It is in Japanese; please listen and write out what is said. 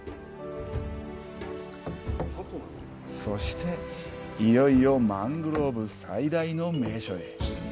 そして、いよいよマングローブ最大の名所へ。